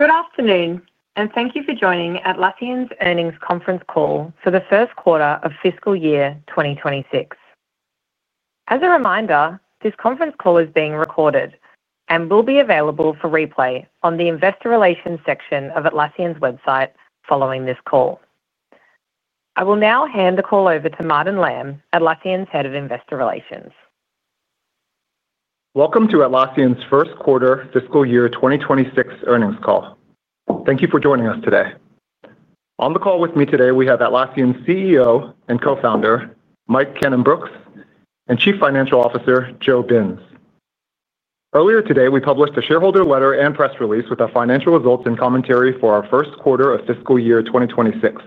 Good afternoon, and thank you for joining Atlassian's earnings conference call for the first quarter of fiscal year 2026. As a reminder, this conference call is being recorded and will be available for replay on the investor relations section of Atlassian's website following this call. I will now hand the call over to Martin Lam, Atlassian's Head of Investor Relations. Welcome to Atlassian's first quarter fiscal year 2026 earnings call. Thank you for joining us today. On the call with me today, we have Atlassian's CEO and co-founder, Mike Cannon-Brookes, and Chief Financial Officer, Joe Binz. Earlier today, we published a shareholder letter and press release with our financial results and commentary for our first quarter of fiscal year 2026.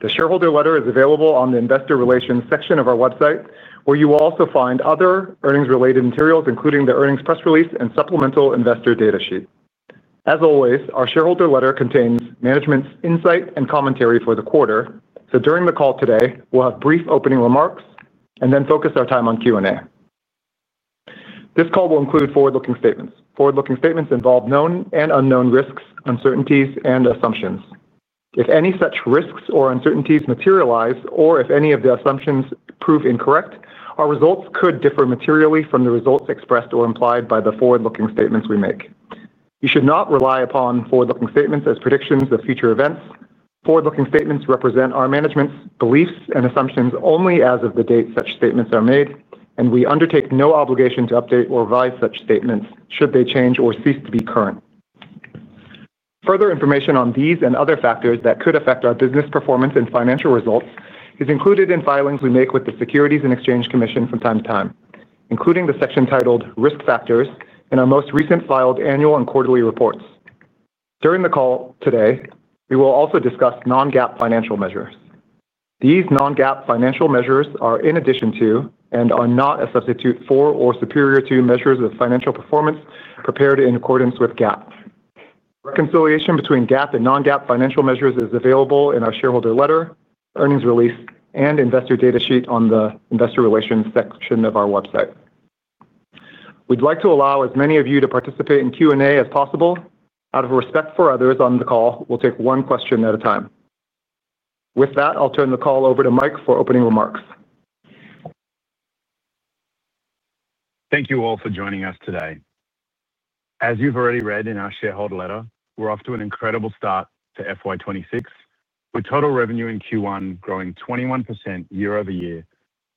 The shareholder letter is available on the investor relations section of our website, where you will also find other earnings-related materials, including the earnings press release and supplemental investor data sheet. As always, our shareholder letter contains management's insight and commentary for the quarter, so during the call today, we'll have brief opening remarks and then focus our time on Q&A. This call will include forward-looking statements. Forward-looking statements involve known and unknown risks, uncertainties, and assumptions. If any such risks or uncertainties materialize, or if any of the assumptions prove incorrect, our results could differ materially from the results expressed or implied by the forward-looking statements we make. You should not rely upon forward-looking statements as predictions of future events. Forward-looking statements represent our management's beliefs and assumptions only as of the date such statements are made, and we undertake no obligation to update or revise such statements should they change or cease to be current. Further information on these and other factors that could affect our business performance and financial results is included in filings we make with the Securities and Exchange Commission from time to time, including the section titled Risk Factors in our most recent filed annual and quarterly reports. During the call today, we will also discuss non-GAAP financial measures. These non-GAAP financial measures are in addition to and are not a substitute for or superior to measures of financial performance prepared in accordance with GAAP. Reconciliation between GAAP and non-GAAP financial measures is available in our shareholder letter, earnings release, and investor data sheet on the investor relations section of our website. We'd like to allow as many of you to participate in Q&A as possible. Out of respect for others on the call, we'll take one question at a time. With that, I'll turn the call over to Mike for opening remarks. Thank you all for joining us today. As you've already read in our shareholder letter, we're off to an incredible start to FY 2026, with total revenue in Q1 growing 21% year-over-year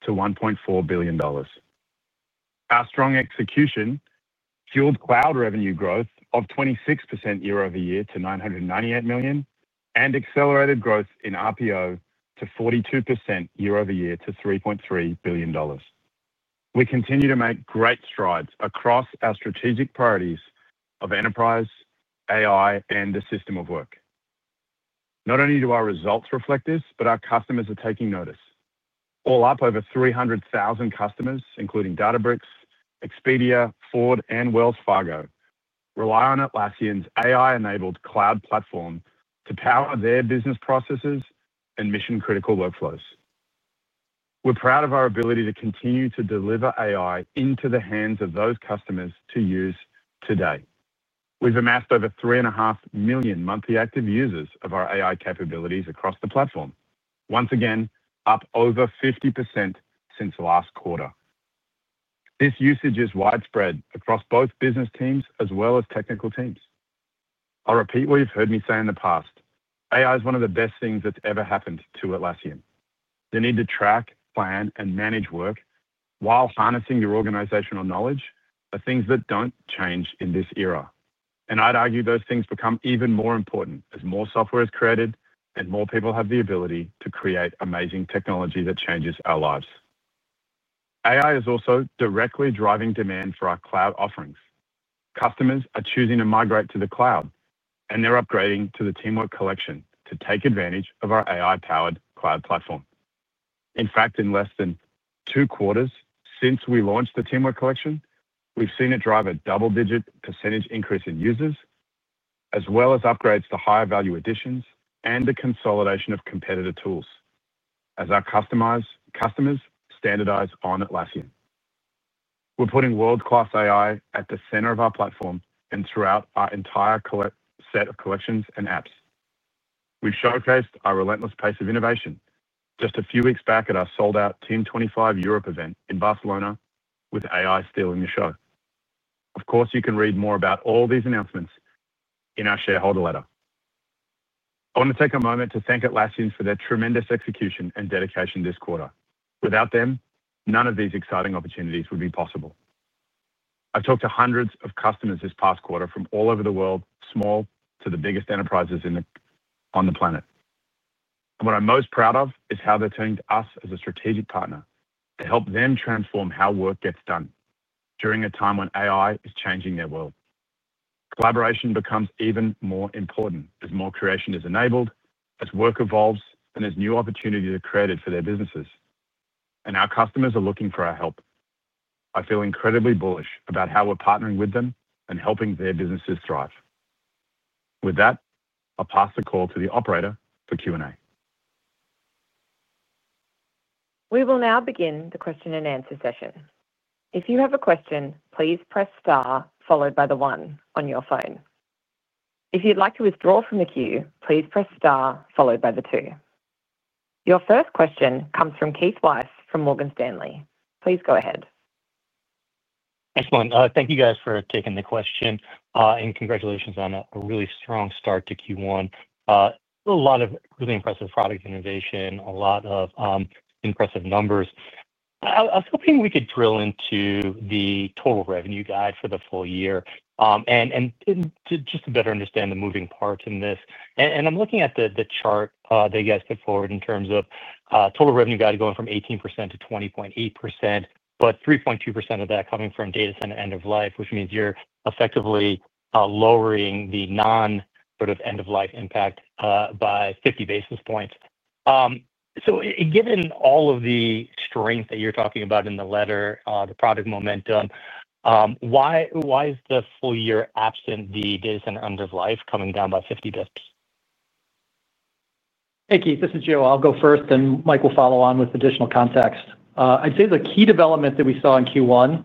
to $1.4 billion. Our strong execution fueled cloud revenue growth of 26% year-over-year to $998 million and accelerated growth in RPO to 42% year-over-year to $3.3 billion. We continue to make great strides across our strategic priorities of enterprise, AI, and the system of work. Not only do our results reflect this, but our customers are taking notice. All up, over 300,000 customers, including Databricks, Expedia, Ford, and Wells Fargo, rely on Atlassian's AI-enabled cloud platform to power their business processes and mission-critical workflows. We're proud of our ability to continue to deliver AI into the hands of those customers to use today. We've amassed over 3.5 million monthly active users of our AI capabilities across the platform, once again up over 50% since last quarter. This usage is widespread across both business teams as well as technical teams. I'll repeat what you've heard me say in the past: AI is one of the best things that's ever happened to Atlassian. The need to track, plan, and manage work while harnessing your organizational knowledge are things that don't change in this era. I'd argue those things become even more important as more software is created and more people have the ability to create amazing technology that changes our lives. AI is also directly driving demand for our cloud offerings. Customers are choosing to migrate to the cloud, and they're upgrading to the Teamwork Collection to take advantage of our AI-powered cloud platform. In fact, in less than two quarters since we launched the Teamwork Collection, we've seen it drive a double-digit % increase in users, as well as upgrades to higher-value additions and the consolidation of competitor tools as our customers standardize on Atlassian. We're putting world-class AI at the center of our platform and throughout our entire set of collections and apps. We've showcased our relentless pace of innovation just a few weeks back at our sold-out Team 25 Europe event in Barcelona, with AI stealing the show. Of course, you can read more about all these announcements in our shareholder letter. I want to take a moment to thank Atlassian for their tremendous execution and dedication this quarter. Without them, none of these exciting opportunities would be possible. I've talked to hundreds of customers this past quarter from all over the world, small to the biggest enterprises on the planet. What I'm most proud of is how they're turning to us as a strategic partner to help them transform how work gets done during a time when AI is changing their world. Collaboration becomes even more important as more creation is enabled, as work evolves, and as new opportunities are created for their businesses. Our customers are looking for our help. I feel incredibly bullish about how we're partnering with them and helping their businesses thrive. With that, I'll pass the call to the operator for Q&A. We will now begin the question and answer session. If you have a question, please press star followed by the one on your phone. If you'd like to withdraw from the queue, please press star followed by the two. Your first question comes from Keith Weiss from Morgan Stanley. Please go ahead. Excellent. Thank you, guys, for taking the question, and congratulations on a really strong start to Q1. A lot of really impressive product innovation, a lot of impressive numbers. I was hoping we could drill into the total revenue guide for the full year just to better understand the moving parts in this. I'm looking at the chart that you guys put forward in terms of total revenue guide going from 18%-20.8%, but 3.2% of that coming from data center end-of-life, which means you're effectively lowering the non-sort of end-of-life impact by 50 basis points. Given all of the strength that you're talking about in the letter, the product momentum, why is the full year absent the data center end-of-life coming down by 50? Hey, Keith, this is Joe. I'll go first, and Mike will follow on with additional context. I'd say the key development that we saw in Q1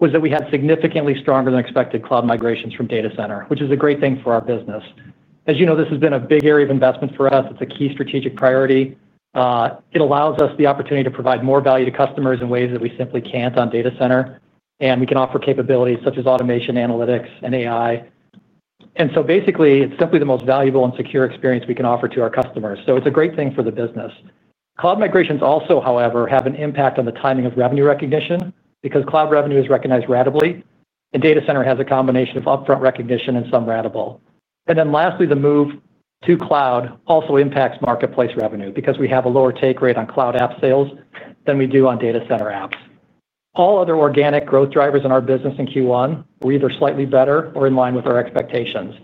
was that we had significantly stronger-than-expected cloud migrations from data center, which is a great thing for our business. As you know, this has been a big area of investment for us. It's a key strategic priority. It allows us the opportunity to provide more value to customers in ways that we simply can't on data center, and we can offer capabilities such as automation, analytics, and AI. Basically, it's simply the most valuable and secure experience we can offer to our customers. It's a great thing for the business. Cloud migrations also, however, have an impact on the timing of revenue recognition because cloud revenue is recognized ratably, and data center has a combination of upfront recognition and some ratable. Lastly, the move to cloud also impacts marketplace revenue because we have a lower take rate on cloud app sales than we do on data center apps. All other organic growth drivers in our business in Q1 were either slightly better or in line with our expectations.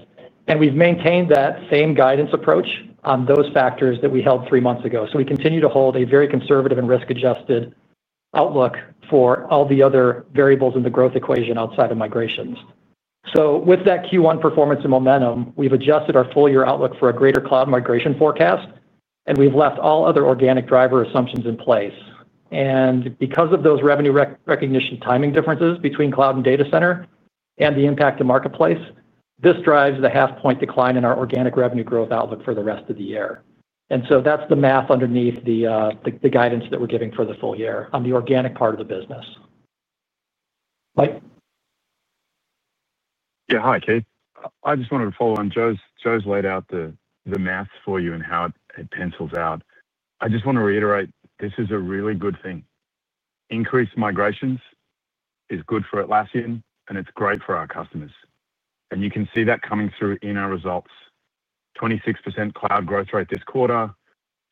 We've maintained that same guidance approach on those factors that we held three months ago. We continue to hold a very conservative and risk-adjusted outlook for all the other variables in the growth equation outside of migrations. With that Q1 performance and momentum, we've adjusted our full-year outlook for a greater cloud migration forecast, and we've left all other organic driver assumptions in place. Because of those revenue recognition timing differences between cloud and data center and the impact to marketplace, this drives the half-point decline in our organic revenue growth outlook for the rest of the year. That's the math underneath the guidance that we're giving for the full year on the organic part of the business. Mike. Yeah, hi, Keith. I just wanted to follow on. Joe's laid out the math for you and how it pencils out. I just want to reiterate this is a really good thing. Increased migrations is good for Atlassian, and it's great for our customers. You can see that coming through in our results: 26% cloud growth rate this quarter,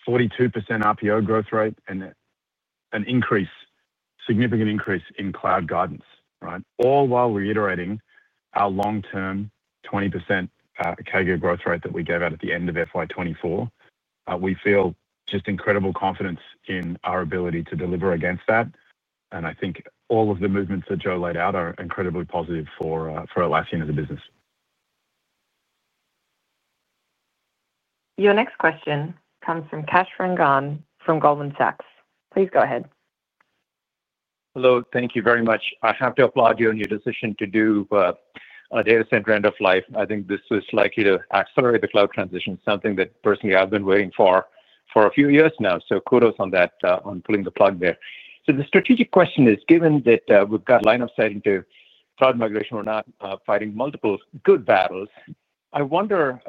42% RPO growth rate, and a significant increase in cloud guidance, right? All while reiterating our long-term 20% CAGR growth rate that we gave out at the end of FY 2024. We feel just incredible confidence in our ability to deliver against that. I think all of the movements that Joe laid out are incredibly positive for Atlassian as a business. Your next question comes from Kash Rangan from Goldman Sachs. Please go ahead. Hello. Thank you very much. I have to applaud you on your decision to do a data center end-of-life. I think this is likely to accelerate the cloud transition, something that personally I've been waiting for for a few years now. Kudos on that, on pulling the plug there. The strategic question is, given that we've got lineups set into cloud migration, we're not fighting multiple good battles. I wonder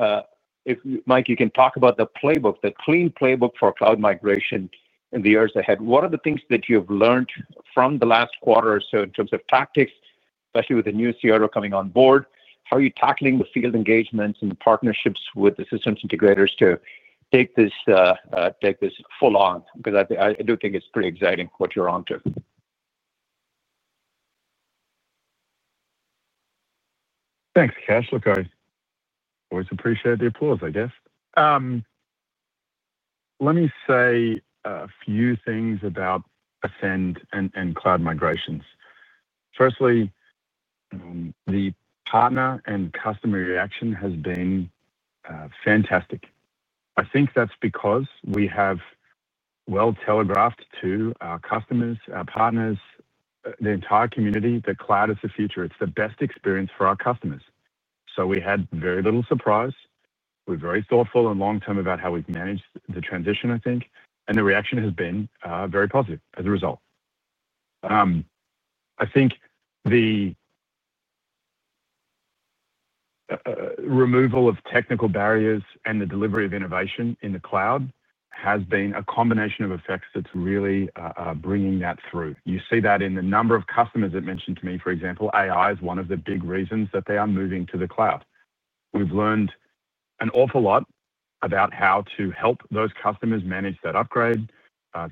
if Mike, you can talk about the playbook, the clean playbook for cloud migration in the years ahead. What are the things that you've learned from the last quarter or so in terms of tactics, especially with the new CRO coming on board? How are you tackling the field engagements and partnerships with the systems integrators to take this full on? I do think it's pretty exciting what you're on to. Thanks, Kash. I always appreciate the applause, I guess. Let me say a few things about Ascend and cloud migrations. Firstly, the partner and customer reaction has been fantastic. I think that's because we have well telegraphed to our customers, our partners, the entire community, that cloud is the future. It's the best experience for our customers, so we had very little surprise. We're very thoughtful and long-term about how we've managed the transition, I think, and the reaction has been very positive as a result. The removal of technical barriers and the delivery of innovation in the cloud has been a combination of effects that's really bringing that through. You see that in the number of customers that mentioned to me, for example, AI is one of the big reasons that they are moving to the cloud. We've learned an awful lot about how to help those customers manage that upgrade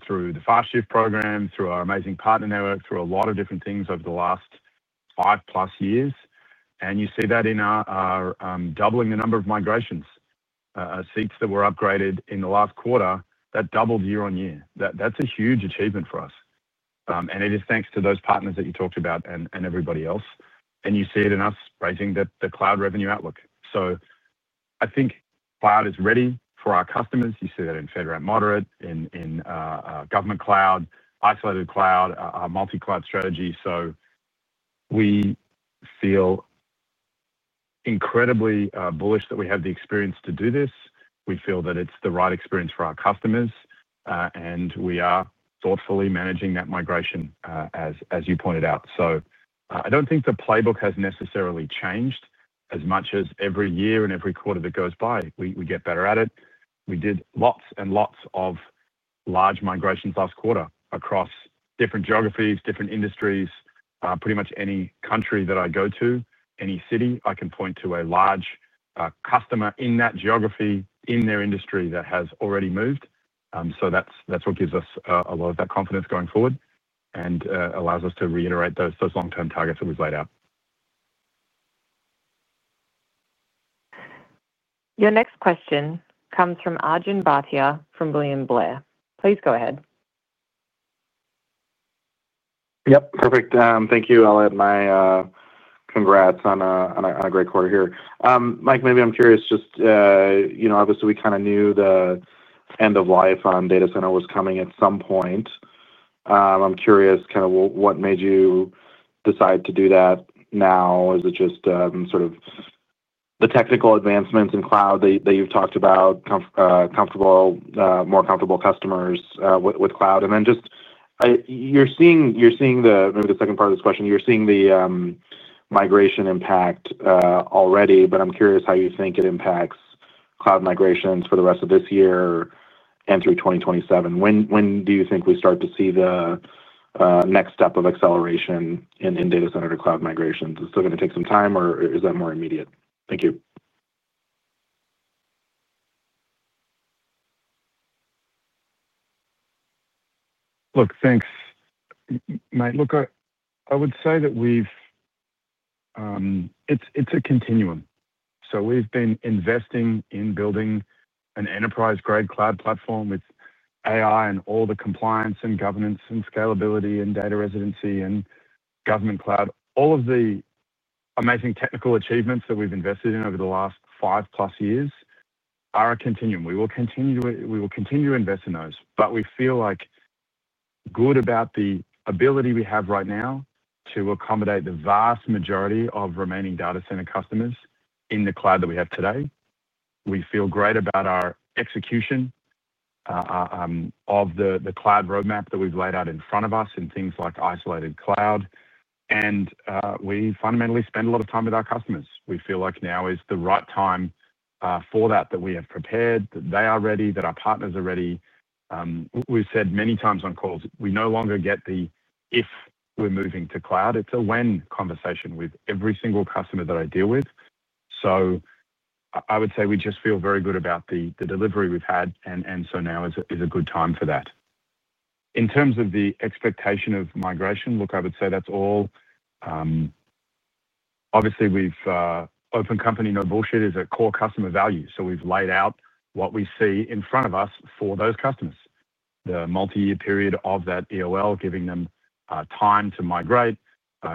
through the FastShift program, through our amazing partner network, through a lot of different things over the last five-plus years. You see that in our doubling the number of migrations, seats that were upgraded in the last quarter that doubled year on year. That's a huge achievement for us, and it is thanks to those partners that you talked about and everybody else. You see it in us raising the cloud revenue outlook. I think cloud is ready for our customers. You see that in federal and moderate, in Government Cloud, Isolated Cloud, our Multi-Cloud Strategy. We feel incredibly bullish that we have the experience to do this. We feel that it's the right experience for our customers, and we are thoughtfully managing that migration, as you pointed out. I don't think the playbook has necessarily changed as much as every year and every quarter that goes by, we get better at it. We did lots and lots of large migrations last quarter across different geographies, different industries. Pretty much any country that I go to, any city, I can point to a large customer in that geography, in their industry that has already moved. That's what gives us a lot of that confidence going forward and allows us to reiterate those long-term targets that we've laid out. Your next question comes from Arjun Bhatia from William Blair. Please go ahead. Yep, perfect. Thank you. I'll add my congrats on a great quarter here. Mike, maybe I'm curious, just obviously, we kind of knew the end-of-life on data center was coming at some point. I'm curious, what made you decide to do that now? Is it just the technical advancements in cloud that you've talked about, more comfortable customers with cloud? You're seeing the migration impact already, but I'm curious how you think it impacts cloud migrations for the rest of this year and through 2027. When do you think we start to see the next step of acceleration in data center to cloud migrations? Is it still going to take some time, or is that more immediate? Thank you. Look, thanks. Mike, I would say that it's a continuum. We've been investing in building an enterprise-grade cloud platform with AI and all the compliance and governance and scalability and data residency and Government Cloud. All of the amazing technical achievements that we've invested in over the last five-plus years are a continuum. We will continue to invest in those, but we feel good about the ability we have right now to accommodate the vast majority of remaining data center customers in the cloud that we have today. We feel great about our execution of the cloud roadmap that we've laid out in front of us and things like Isolated Cloud. We fundamentally spend a lot of time with our customers. We feel like now is the right time for that, that we have prepared, that they are ready, that our partners are ready. We've said many times on calls, we no longer get the if we're moving to cloud. It's a when conversation with every single customer that I deal with. I would say we just feel very good about the delivery we've had, and now is a good time for that. In terms of the expectation of migration, I would say that's all. Obviously, open company no bullshit is a core customer value. We've laid out what we see in front of us for those customers, the multi-year period of that EOL, giving them time to migrate,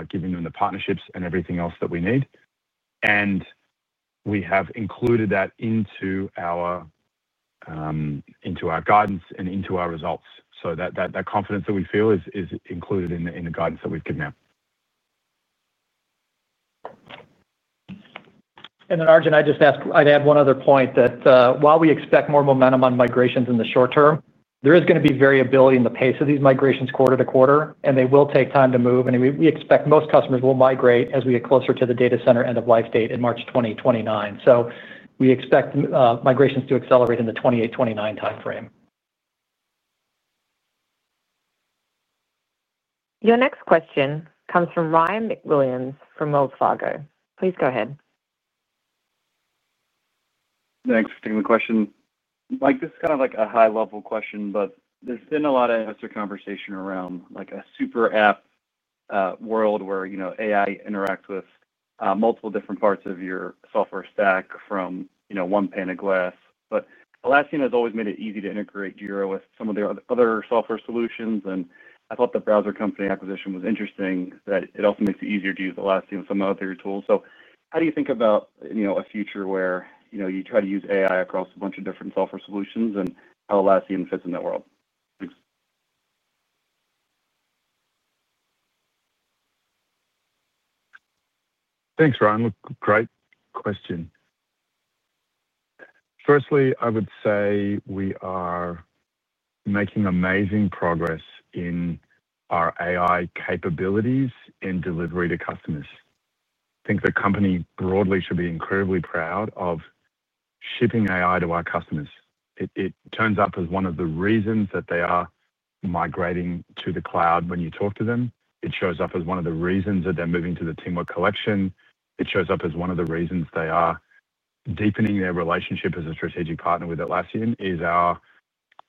giving them the partnerships and everything else that we need. We have included that into our guidance and into our results. That confidence that we feel is included in the guidance that we've given out. Arjun, I'd add one other point that while we expect more momentum on migrations in the short term, there is going to be variability in the pace of these migrations quarter to quarter, and they will take time to move. We expect most customers will migrate as we get closer to the data center end-of-life date in March 2029. We expect migrations to accelerate in the 2028-2029 timeframe. Your next question comes from Ryan [McWilliams] from MoffettNathanson. Please go ahead. Thanks for taking the question. Mike, this is kind of like a high-level question, but there's been a lot of conversation around a super app world where AI interacts with multiple different parts of your software stack from one pane of glass. Atlassian has always made it easy to integrate Jira with some of their other software solutions. I thought the Browser Company acquisition was interesting, that it also makes it easier to use Atlassian with some of the other tools. How do you think about a future where you try to use AI across a bunch of different software solutions and how Atlassian fits in that world? Thanks. Thanks, Ryan. Great question. Firstly, I would say we are making amazing progress in our AI capabilities in delivery to customers. I think the company broadly should be incredibly proud of shipping AI to our customers. It turns up as one of the reasons that they are migrating to the cloud when you talk to them. It shows up as one of the reasons that they're moving to the Teamwork Collection. It shows up as one of the reasons they are deepening their relationship as a strategic partner with Atlassian, which is our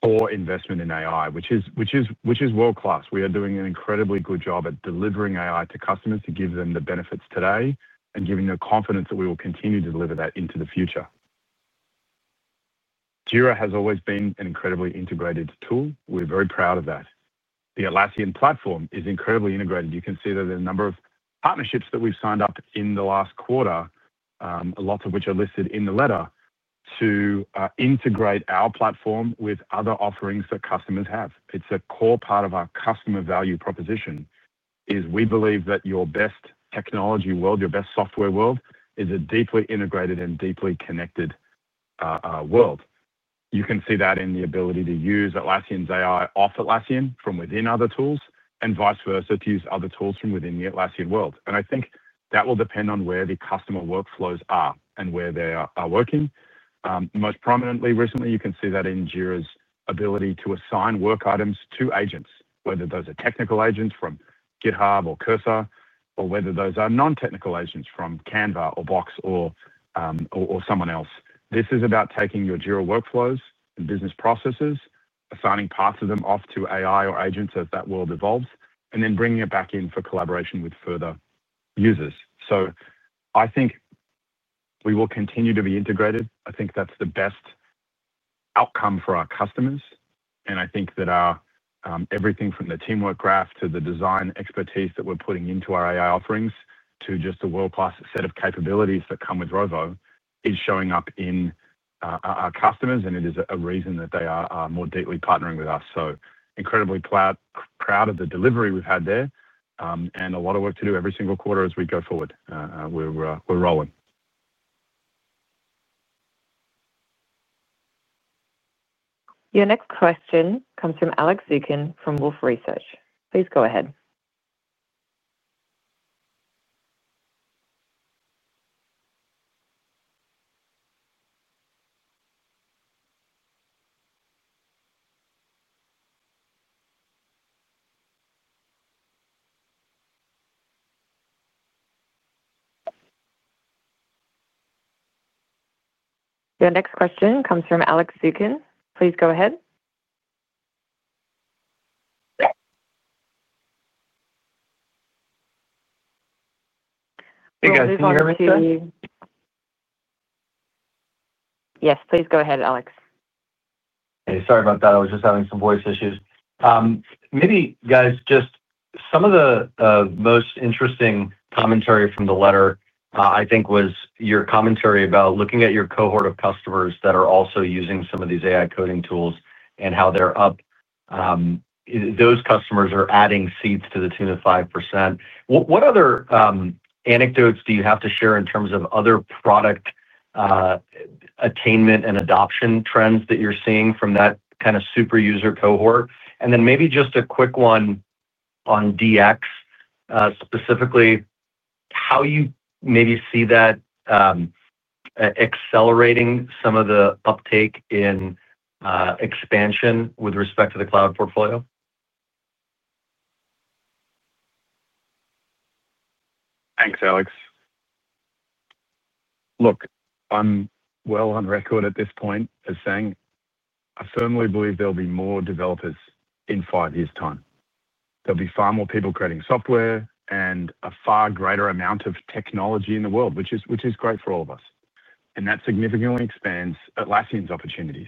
core investment in AI, which is world-class. We are doing an incredibly good job at delivering AI to customers to give them the benefits today and giving them confidence that we will continue to deliver that into the future. Jira has always been an incredibly integrated tool. We're very proud of that. The Atlassian platform is incredibly integrated. You can see that in the number of partnerships that we've signed up in the last quarter, a lot of which are listed in the letter, to integrate our platform with other offerings that customers have. It's a core part of our customer value proposition. We believe that your best technology world, your best software world, is a deeply integrated and deeply connected world. You can see that in the ability to use Atlassian's AI off Atlassian from within other tools and vice versa, to use other tools from within the Atlassian world. I think that will depend on where the customer workflows are and where they are working. Most prominently recently, you can see that in Jira's ability to assign work items to agents, whether those are technical agents from GitHub or Cursor, or whether those are non-technical agents from Canva or Box or someone else. This is about taking your Jira workflows and business processes, assigning parts of them off to AI or agents as that world evolves, and then bringing it back in for collaboration with further users. I think we will continue to be integrated. I think that's the best outcome for our customers. I think that everything from the teamwork graph to the design expertise that we're putting into our AI offerings to just a world-class set of capabilities that come with Rovo is showing up in our customers, and it is a reason that they are more deeply partnering with us. Incredibly proud of the delivery we've had there, and a lot of work to do every single quarter as we go forward. We're rolling. Your next question comes from Alex Zukin from Wolfe Research. Please go ahead. Hey, guys. Can you hear me? Yes, please go ahead, Alex. Hey, sorry about that. I was just having some voice issues. Maybe, guys, just some of the most interesting commentary from the letter, I think, was your commentary about looking at your cohort of customers that are also using some of these AI coding tools and how they're up. Those customers are adding seats to the tune of 5%. What other anecdotes do you have to share in terms of other product attainment and adoption trends that you're seeing from that kind of super user cohort? And then maybe just a quick one on DX. Specifically, how you maybe see that accelerating some of the uptake in expansion with respect to the cloud portfolio? Thanks, Alex. Look, I'm well on record at this point as saying I firmly believe there'll be more developers in five years' time. There'll be far more people creating software and a far greater amount of technology in the world, which is great for all of us. That significantly expands Atlassian's opportunities.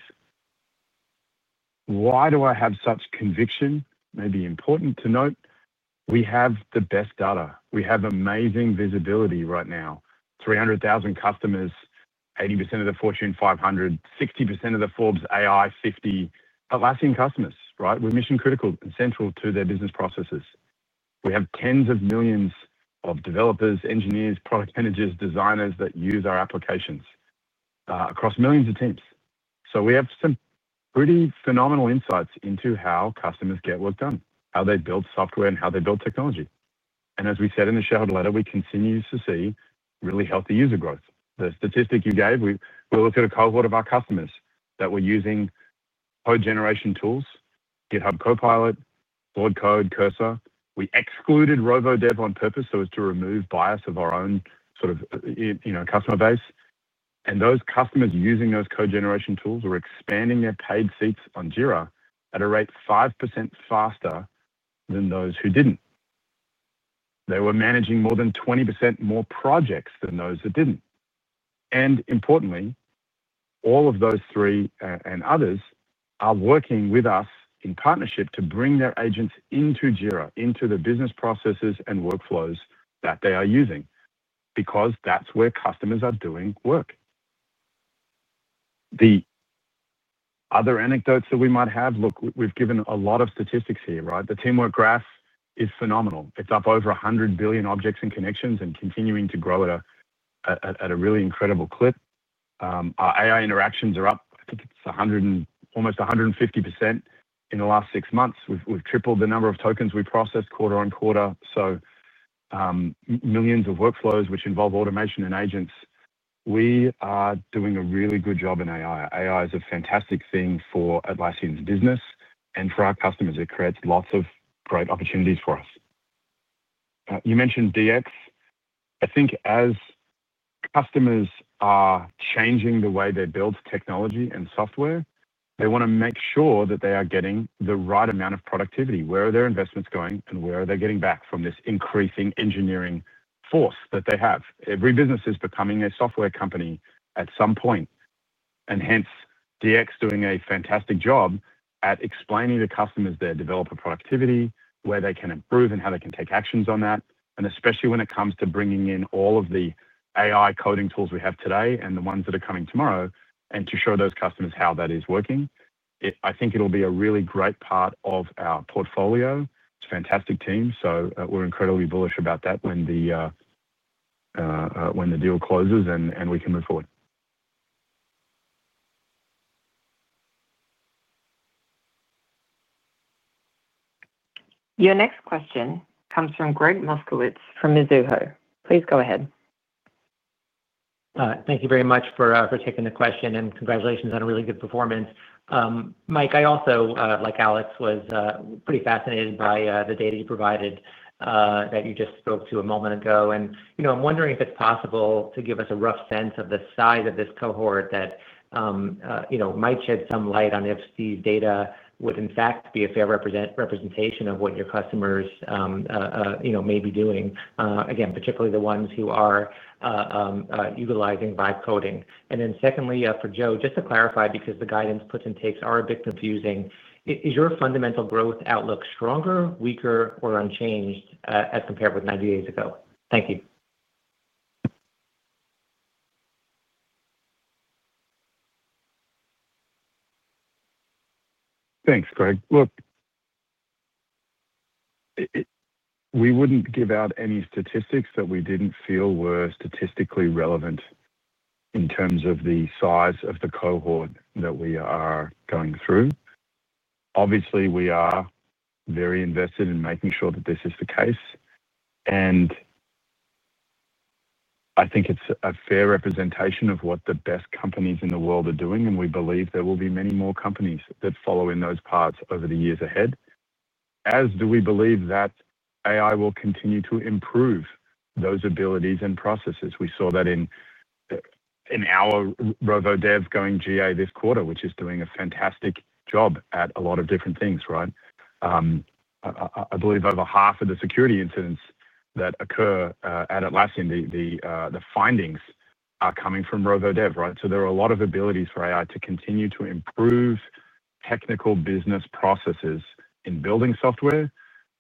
Why do I have such conviction? Maybe important to note, we have the best data. We have amazing visibility right now. 300,000 customers, 80% of the Fortune 500, 60% of the Forbes AI 50 Atlassian customers, right? We're mission-critical and central to their business processes. We have tens of millions of developers, engineers, product managers, designers that use our applications across millions of teams. We have some pretty phenomenal insights into how customers get work done, how they build software, and how they build technology. As we said in the shareholder letter, we continue to see really healthy user growth. The statistic you gave, we looked at a cohort of our customers that were using code generation tools, GitHub Copilot, board code,, Cursor. We excluded Rovo Dev on purpose so as to remove bias of our own sort of customer base. Those customers using those code generation tools were expanding their paid seats on Jira at a rate 5% faster than those who didn't. They were managing more than 20% more projects than those that didn't. Importantly, all of those three and others are working with us in partnership to bring their agents into Jira, into the business processes and workflows that they are using because that's where customers are doing work. Other anecdotes that we might have, look, we've given a lot of statistics here, right? The teamwork graph is phenomenal. It's up over 100 billion objects and connections and continuing to grow at a really incredible clip. Our AI interactions are up, I think it's almost 150% in the last six months. We've tripled the number of tokens we process quarter on quarter. Millions of workflows which involve automation and agents. We are doing a really good job in AI. AI is a fantastic thing for Atlassian's business and for our customers. It creates lots of great opportunities for us. You mentioned DX. I think as customers are changing the way they build technology and software, they want to make sure that they are getting the right amount of productivity. Where are their investments going, and where are they getting back from this increasing engineering force that they have? Every business is becoming a software company at some point. Hence, DX doing a fantastic job at explaining to customers their developer productivity, where they can improve and how they can take actions on that. Especially when it comes to bringing in all of the AI coding tools we have today and the ones that are coming tomorrow, and to show those customers how that is working, I think it'll be a really great part of our portfolio. It's a fantastic team. We're incredibly bullish about that when the deal closes and we can move forward. Your next question comes from Gregg Moskowitz from Mizuho. Please go ahead. Thank you very much for taking the question and congratulations on a really good performance. Mike, I also, like Alex, was pretty fascinated by the data you provided that you just spoke to a moment ago. I'm wondering if it's possible to give us a rough sense of the size of this cohort that might shed some light on if these data would, in fact, be a fair representation of what your customers may be doing, particularly the ones who are utilizing AI-enabled cloud platform coding. Secondly, for Joe, just to clarify, because the guidance puts and takes are a bit confusing, is your fundamental growth outlook stronger, weaker, or unchanged as compared with 90 days ago? Thank you. Thanks, Gregg. Look, we wouldn't give out any statistics that we didn't feel were statistically relevant. In terms of the size of the cohort that we are going through, we are very invested in making sure that this is the case. I think it's a fair representation of what the best companies in the world are doing. We believe there will be many more companies that follow in those paths over the years ahead, as we believe that AI will continue to improve those abilities and processes. We saw that in our Rovo Dev going GA this quarter, which is doing a fantastic job at a lot of different things, right? I believe over half of the security incidents that occur at Atlassian, the findings are coming from Rovo Dev, right? There are a lot of abilities for AI to continue to improve technical business processes in building software,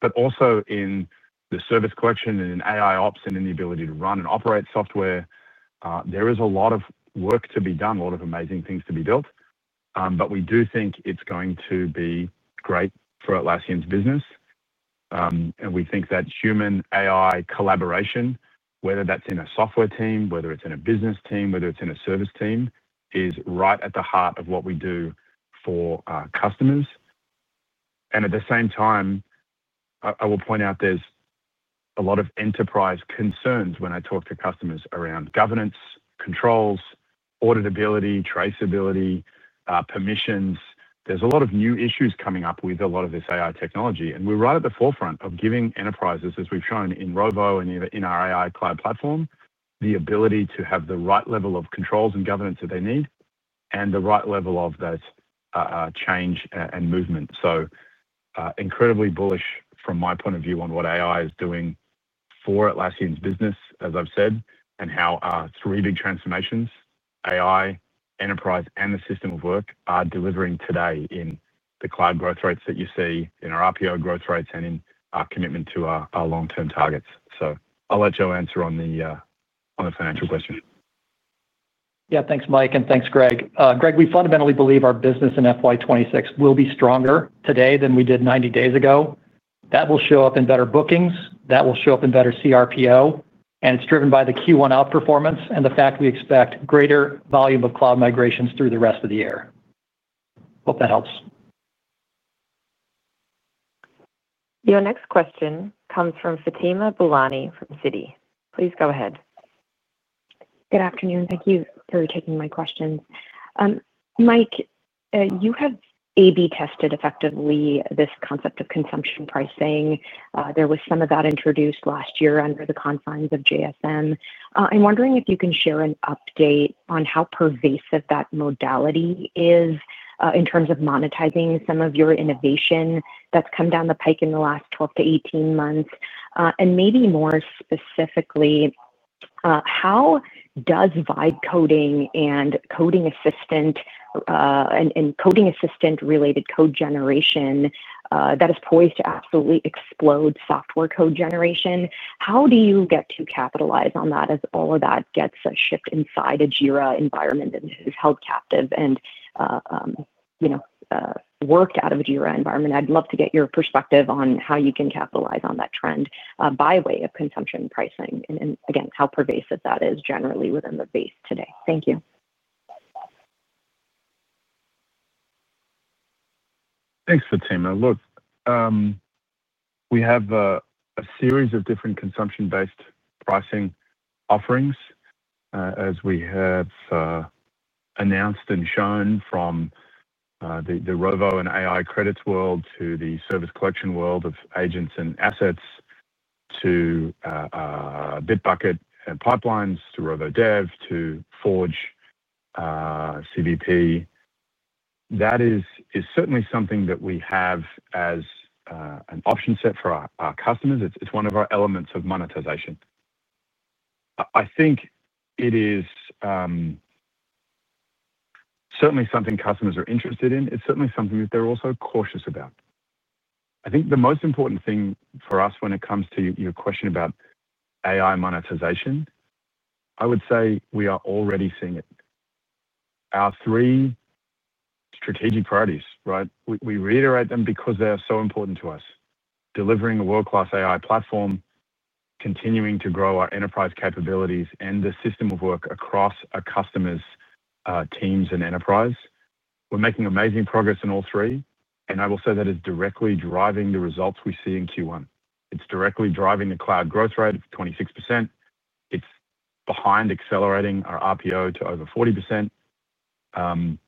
but also in the service collection and in AI ops and in the ability to run and operate software. There is a lot of work to be done, a lot of amazing things to be built. We do think it's going to be great for Atlassian's business. We think that human-AI collaboration, whether that's in a software team, whether it's in a business team, whether it's in a service team, is right at the heart of what we do for customers. At the same time, I will point out there's a lot of enterprise concerns when I talk to customers around governance, controls, auditability, traceability, permissions. There are a lot of new issues coming up with a lot of this AI technology. We're right at the forefront of giving enterprises, as we've shown in Rovo and in our AI-enabled cloud platform, the ability to have the right level of controls and governance that they need and the right level of that change and movement. Incredibly bullish from my point of view on what AI is doing for Atlassian's business, as I've said, and how our three big transformations: AI, enterprise, and the system of work are delivering today in the cloud growth rates that you see in our RPO growth rates and in our commitment to our long-term targets. I'll let Joe answer on the financial question. Yeah, thanks, Mike, and thanks, Greg. Greg, we fundamentally believe our business in FY 2026 will be stronger today than we did 90 days ago. That will show up in better bookings, that will show up in better CRPO, and it's driven by the Q1 outperformance and the fact we expect greater volume of cloud migrations through the rest of the year. Hope that helps. Your next question comes from Fatima Boolani from Citi. Please go ahead. Good afternoon. Thank you for taking my questions. Mike, you have A/B tested effectively this concept of consumption pricing. There was some of that introduced last year under the confines of JSM. I'm wondering if you can share an update on how pervasive that modality is in terms of monetizing some of your innovation that's come down the pike in the last 12-18 months. Maybe more specifically, how does Vibe Coding and Coding Assistant, and Coding Assistant-related code generation that is poised to absolutely explode software code generation, how do you get to capitalize on that as all of that gets a shift inside a Jira environment and is held captive and worked out of a Jira environment? I'd love to get your perspective on how you can capitalize on that trend by way of consumption pricing and, again, how pervasive that is generally within the base today. Thank you. Thanks, Fatima. Look, we have a series of different consumption-based pricing offerings, as we have announced and shown from the Rovo and AI credits world to the service collection world of agents and assets, to Bitbucket and pipelines, to Rovo Dev, to Forge, CDP. That is certainly something that we have as an option set for our customers. It's one of our elements of monetization. I think it is certainly something customers are interested in. It's certainly something that they're also cautious about. I think the most important thing for us when it comes to your question about AI monetization, I would say we are already seeing it. Our three strategic priorities, right? We reiterate them because they are so important to us: delivering a world-class AI platform, continuing to grow our enterprise capabilities and the system of work across our customers' teams and enterprise. We're making amazing progress in all three. I will say that it's directly driving the results we see in Q1. It's directly driving the cloud growth rate of 26%. It's behind accelerating our RPO to over 40%.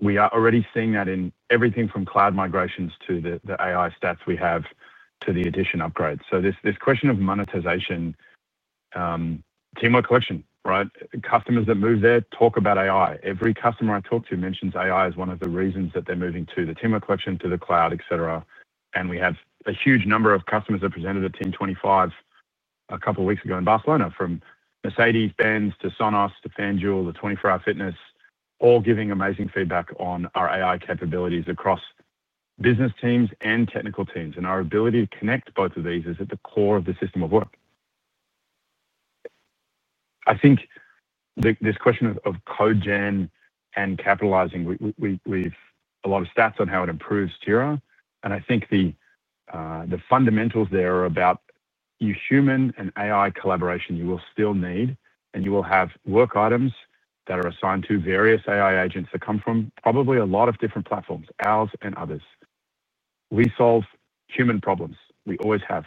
We are already seeing that in everything from cloud migrations to the AI stats we have to the addition upgrades. This question of monetization, Teamwork Collection, right? Customers that move there talk about AI. Every customer I talk to mentions AI as one of the reasons that they're moving to the Teamwork Collection, to the cloud, etc. We have a huge number of customers that presented at Team 25 a couple of weeks ago in Barcelona, from Mercedes-Benz, to Sonos, to FanDuel, to 24 Hour Fitness, all giving amazing feedback on our AI capabilities across business teams and technical teams. Our ability to connect both of these is at the core of the system of work. I think this question of code gen and capitalizing, we have a lot of stats on how it improves Jira. The fundamentals there are about human and AI collaboration. You will still need, and you will have, work items that are assigned to various AI agents that come from probably a lot of different platforms, ours and others. We solve human problems. We always have.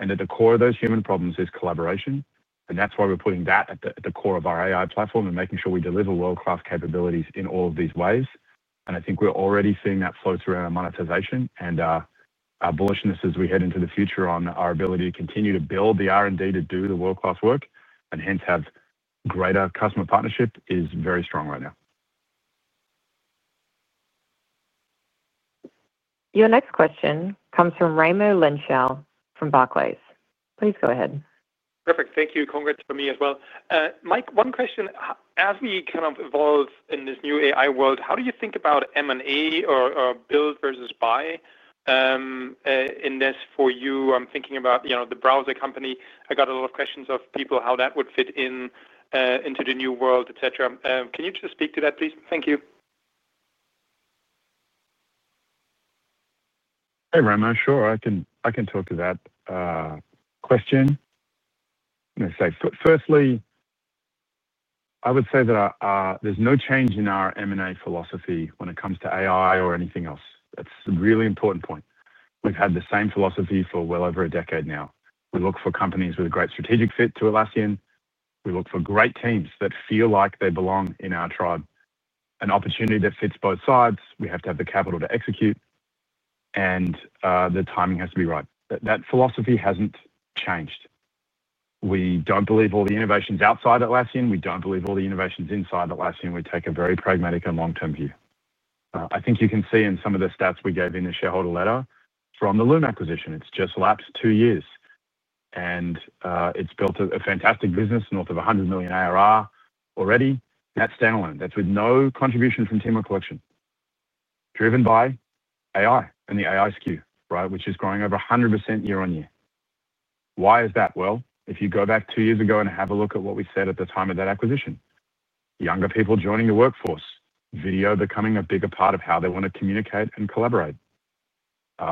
At the core of those human problems is collaboration, and that's why we're putting that at the core of our AI platform and making sure we deliver world-class capabilities in all of these ways. I think we're already seeing that float around our monetization. Our bullishness as we head into the future on our ability to continue to build the R&D to do the world-class work and hence have greater customer partnership is very strong right now. Your next question comes from Raimo Lenschow from Barclays. Please go ahead. Perfect. Thank you. Congrats for me as well. Mike, one question. As we kind of evolve in this new AI world, how do you think about M&A or build versus buy? In this for you, I'm thinking about the Browser Company. I got a lot of questions of people how that would fit into the new world, etc. Can you just speak to that, please? Thank you. Hey, Raimo. Sure, I can talk to that question. Firstly, I would say that there's no change in our M&A philosophy when it comes to AI or anything else. That's a really important point. We've had the same philosophy for well over a decade now. We look for companies with a great strategic fit to Atlassian. We look for great teams that feel like they belong in our tribe, an opportunity that fits both sides, we have to have the capital to execute, and the timing has to be right. That philosophy hasn't changed. We don't believe all the innovations are outside Atlassian. We don't believe all the innovations are inside Atlassian. We take a very pragmatic and long-term view. I think you can see in some of the stats we gave in the shareholder letter from the Loom acquisition, it's just lapsed two years, and it's built a fantastic business north of $100 million ARR already. That's standalone, that's with no contribution from Teamwork Collection, driven by AI and the AI SKU, right, which is growing over 100% year-on-year. Why is that? If you go back two years ago and have a look at what we said at the time of that acquisition, younger people joining the workforce, video becoming a bigger part of how they want to communicate and collaborate,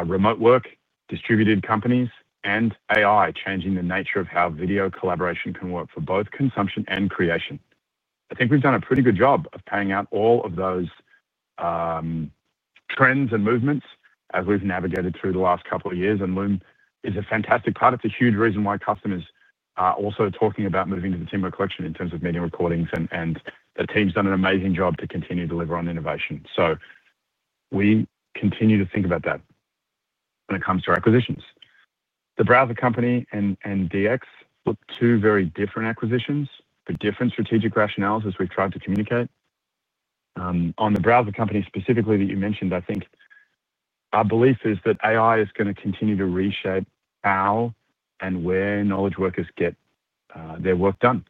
remote work, distributed companies, and AI changing the nature of how video collaboration can work for both consumption and creation. I think we've done a pretty good job of paying out all of those trends and movements as we've navigated through the last couple of years, and Loom is a fantastic part. It's a huge reason why customers are also talking about moving to the Teamwork Collection in terms of meeting recordings, and the team's done an amazing job to continue to deliver on innovation. We continue to think about that when it comes to acquisitions. The Browser Company and DX looked like two very different acquisitions for different strategic rationales as we've tried to communicate. On the Browser Company specifically that you mentioned, I think our belief is that AI is going to continue to reshape how and where knowledge workers get their work done.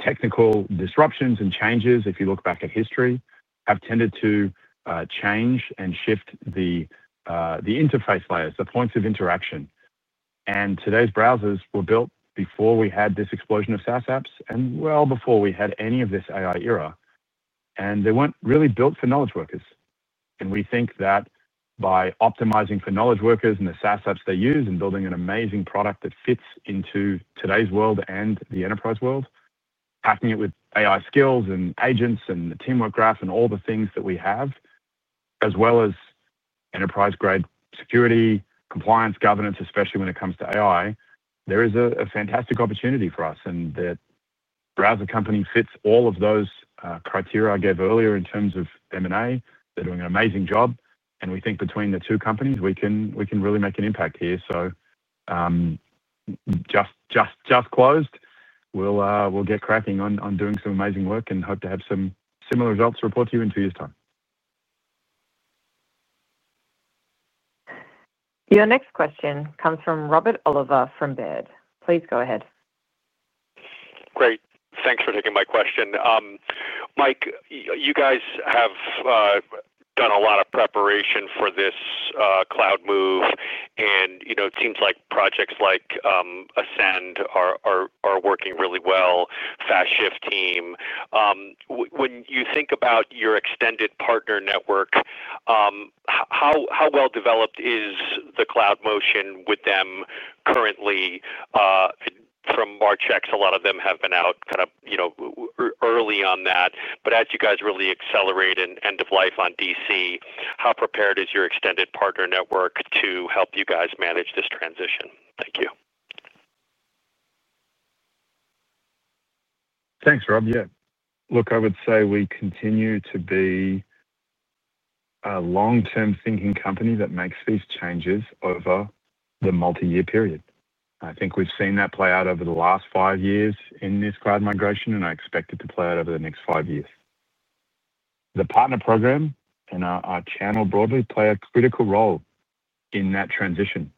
Technical disruptions and changes, if you look back at history, have tended to change and shift the interface layers, the points of interaction. Today's browsers were built before we had this explosion of SaaS apps and well before we had any of this AI era, and they weren't really built for knowledge workers. We think that by optimizing for knowledge workers and the SaaS apps they use and building an amazing product that fits into today's world and the enterprise world, packing it with AI skills and agents and the teamwork graph and all the things that we have, as well as enterprise-grade security, compliance, governance, especially when it comes to AI, there is a fantastic opportunity for us. The Browser Company fits all of those criteria I gave earlier in terms of M&A. They're doing an amazing job, and we think between the two companies, we can really make an impact here. We just closed, we'll get cracking on doing some amazing work and hope to have some similar results to report to you in two years' time. Your next question comes from Rob Oliver from Baird. Please go ahead. Great. Thanks for taking my question. Mike, you guys have done a lot of preparation for this cloud move, and it seems like projects like Ascend are working really well, FastShift team. When you think about your extended partner network, how well developed is the cloud motion with them currently? From March X, a lot of them have been out kind of early on that. As you guys really accelerate end-of-life on data center, how prepared is your extended partner network to help you guys manage this transition? Thank you. Thanks, Rob. Yeah. Look, I would say we continue to be a long-term thinking company that makes these changes over the multi-year period. I think we've seen that play out over the last five years in this cloud migration, and I expect it to play out over the next five years. The partner program and our channel broadly play a critical role in that transition.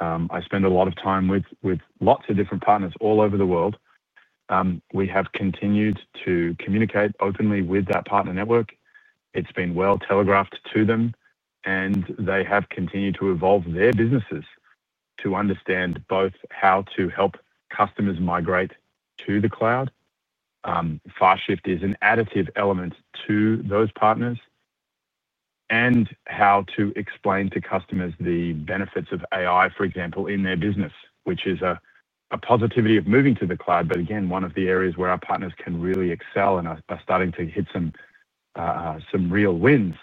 I spend a lot of time with lots of different partners all over the world. We have continued to communicate openly with that partner network. It's been well telegraphed to them, and they have continued to evolve their businesses to understand both how to help customers migrate to the cloud. FastShift is an additive element to those partners and how to explain to customers the benefits of AI, for example, in their business, which is a positivity of moving to the cloud. One of the areas where our partners can really excel and are starting to hit some real wins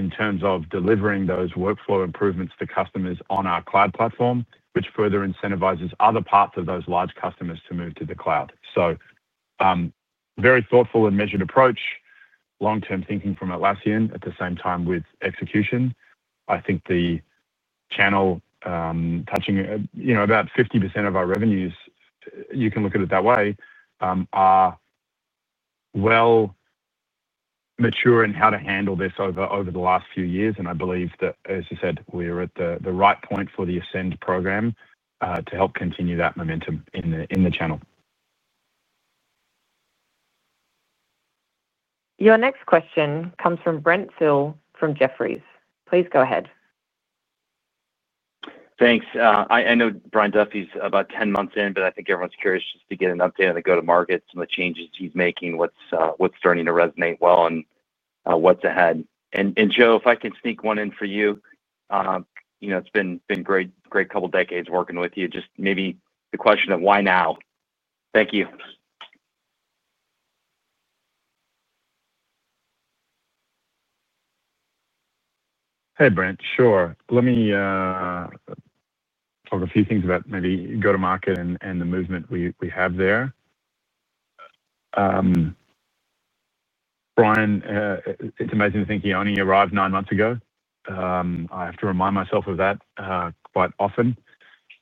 is in terms of delivering those workflow improvements to customers on our cloud platform, which further incentivizes other parts of those large customers to move to the cloud. Very thoughtful and measured approach, long-term thinking from Atlassian at the same time with execution. I think the channel, touching about 50% of our revenues, you can look at it that way, are mature in how to handle this over the last few years. I believe that, as you said, we are at the right point for the Ascend program to help continue that momentum in the channel. Your next question comes from Brent Thill from Jefferies. Please go ahead. Thanks. I know Brian Duffy's about 10 months in, but I think everyone's curious just to get an update on the go-to-market, some of the changes he's making, what's starting to resonate well, and what's ahead. Joe, if I can sneak one in for you, it's been a great couple of decades working with you. Just maybe the question of why now? Thank you. Hey, Brent. Sure. Let me talk a few things about maybe go-to-market and the movement we have there. Brian, it's amazing to think he only arrived nine months ago. I have to remind myself of that quite often.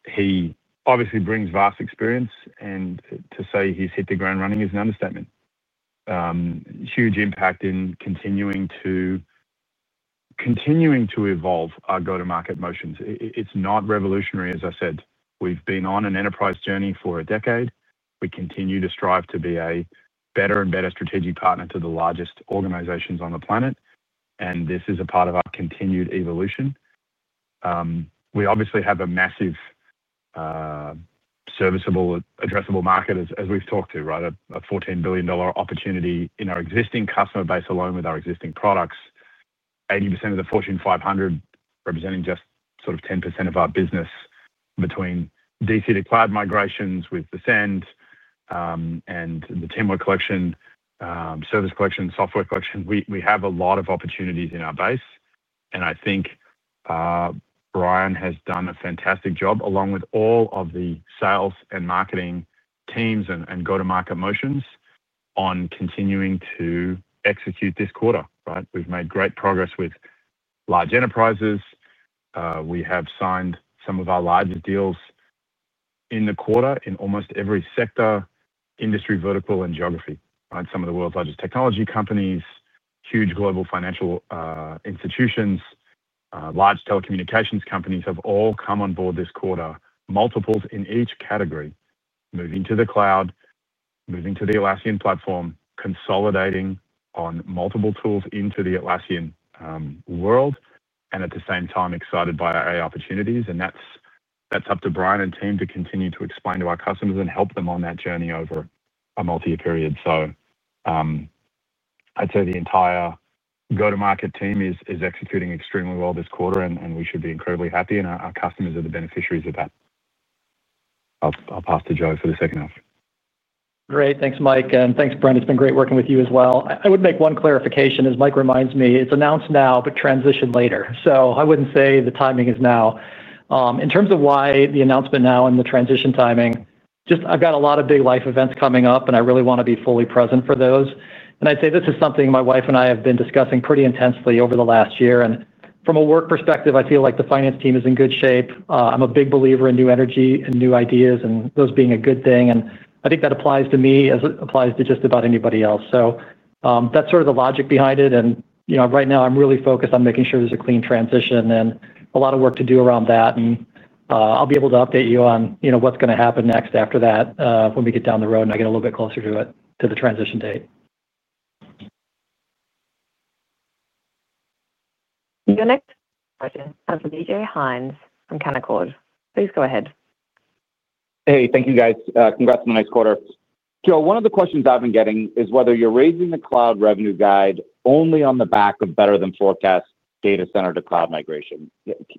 He obviously brings vast experience, and to say he's hit the ground running is an understatement. Huge impact in continuing to evolve our go-to-market motions. It's not revolutionary, as I said. We've been on an enterprise journey for a decade. We continue to strive to be a better and better strategic partner to the largest organizations on the planet. This is a part of our continued evolution. We obviously have a massive serviceable, addressable market, as we've talked to, right? A $14 billion opportunity in our existing customer base alone with our existing products. 80% of the Fortune 500 representing just sort of 10% of our business. Between data center to cloud migrations with Ascend and the Teamwork Collection, Service Collection, Software Collection, we have a lot of opportunities in our base. I think Brian has done a fantastic job along with all of the sales and marketing teams and go-to-market motions on continuing to execute this quarter, right? We've made great progress with large enterprises. We have signed some of our largest deals in the quarter in almost every sector, industry vertical, and geography, right? Some of the world's largest technology companies, huge global financial institutions, large telecommunications companies have all come on board this quarter, multiples in each category, moving to the cloud, moving to the Atlassian platform, consolidating on multiple tools into the Atlassian world, and at the same time, excited by our AI opportunities. That's up to Brian and team to continue to explain to our customers and help them on that journey over a multi-year period. I'd say the entire go-to-market team is executing extremely well this quarter, and we should be incredibly happy. Our customers are the beneficiaries of that. I'll pass to Joe for the second half. Great. Thanks, Mike. And thanks, Brent. It's been great working with you as well. I would make one clarification, as Mike reminds me, it's announced now, but transition later. I wouldn't say the timing is now. In terms of why the announcement now and the transition timing, I've got a lot of big life events coming up, and I really want to be fully present for those. This is something my wife and I have been discussing pretty intensely over the last year. From a work perspective, I feel like the finance team is in good shape. I'm a big believer in new energy and new ideas and those being a good thing. I think that applies to me as it applies to just about anybody else. That's sort of the logic behind it. Right now, I'm really focused on making sure there's a clean transition and a lot of work to do around that. I'll be able to update you on what's going to happen next after that when we get down the road and I get a little bit closer to the transition date. Your next question comes from DJ Hynes from Canaccord. Please go ahead. Hey, thank you, guys. Congrats on the next quarter. Joe, one of the questions I've been getting is whether you're raising the cloud revenue guide only on the back of better than forecast data center to cloud migration.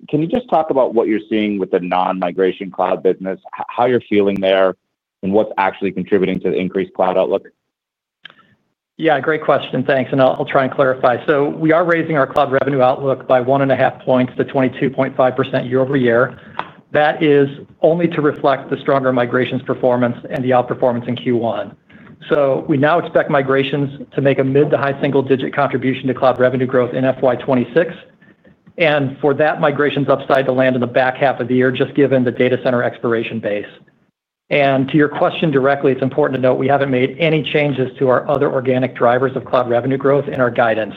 Can you just talk about what you're seeing with the non-migration cloud business, how you're feeling there, and what's actually contributing to the increased cloud outlook? Great question. Thanks. I'll try and clarify. We are raising our cloud revenue outlook by 1.5 points to 22.5% year-over-year. That is only to reflect the stronger migrations performance and the outperformance in Q1. We now expect migrations to make a mid to high single-digit contribution to cloud revenue growth in FY 2026. For that migration's upside to land in the back half of the year just given the data center expiration base. To your question directly, it's important to note we haven't made any changes to our other organic drivers of cloud revenue growth in our guidance.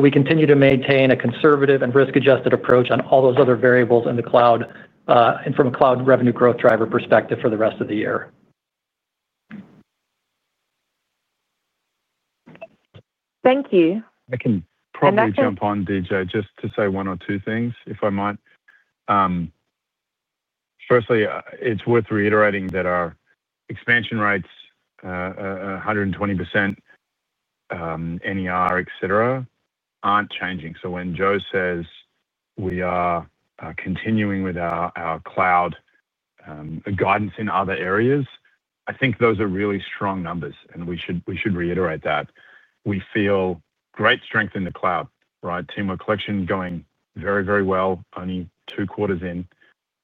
We continue to maintain a conservative and risk-adjusted approach on all those other variables in the cloud and from a cloud revenue growth driver perspective for the rest of the year. Thank you. I can probably jump on, DJ, just to say one or two things, if I might. Firstly, it's worth reiterating that our expansion rates, 120% NER, etc., aren't changing. When Joe says we are continuing with our cloud guidance in other areas, I think those are really strong numbers, and we should reiterate that. We feel great strength in the cloud, right? Teamwork Collection going very, very well, only two quarters in.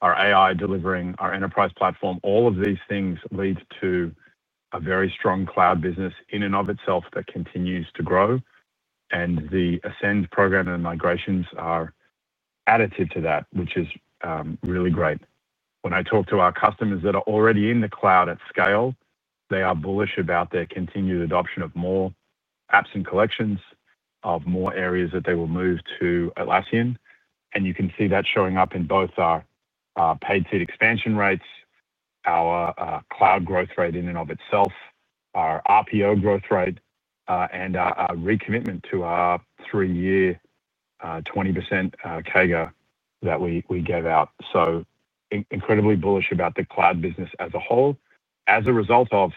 Our AI delivering, our enterprise platform, all of these things lead to a very strong cloud business in and of itself that continues to grow. The Ascend program and migrations are additive to that, which is really great. When I talk to our customers that are already in the cloud at scale, they are bullish about their continued adoption of more apps and collections of more areas that they will move to Atlassian. You can see that showing up in both our paid seat expansion rates, our cloud growth rate in and of itself, our RPO growth rate, and our recommitment to our three-year 20% CAGR that we gave out. Incredibly bullish about the cloud business as a whole as a result of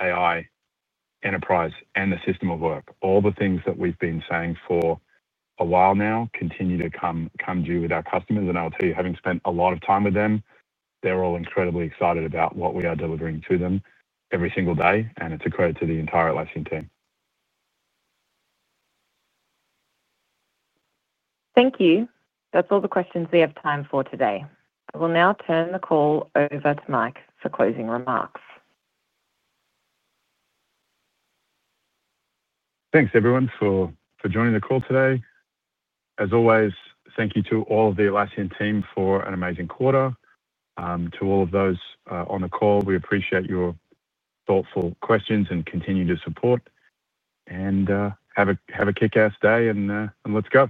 AI, enterprise, and the system of work. All the things that we've been saying for a while now continue to come due with our customers. I'll tell you, having spent a lot of time with them, they're all incredibly excited about what we are delivering to them every single day. It's a credit to the entire Atlassian team. Thank you. That's all the questions we have time for today. I will now turn the call over to Mike for closing remarks. Thanks, everyone, for joining the call today. As always, thank you to all of the Atlassian team for an amazing quarter. To all of those on the call, we appreciate your thoughtful questions and continuing to support. Have a kick-ass day and let's go.